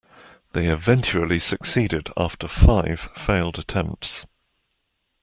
They eventually succeeded after five failed attempts